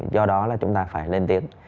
do đó là chúng ta phải lên tiếng